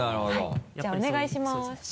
はいじゃあお願いします。